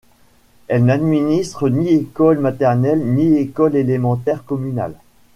Elle n'administre ni école maternelle ni école élémentaire communales.